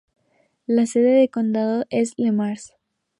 La sede del condado es Le Mars.